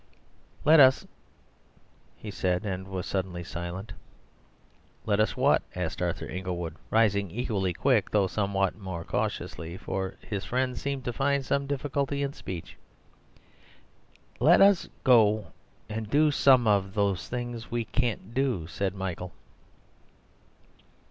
"Let us..." he said, and was suddenly silent. "Let us what?" asked Arthur Inglewood, rising equally quick though somewhat more cautiously, for his friend seemed to find some difficulty in speech. "Let us go and do some of these things we can't do," said Michael.